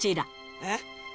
えっ？